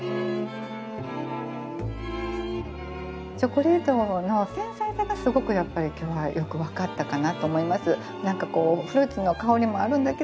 チョコレートの繊細さがすごくやっぱり今日はよく分かったかなと思います。